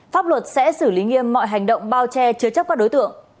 pháp luật sẽ xử lý nghiêm mọi hành động bao che chứa chấp các đối tượng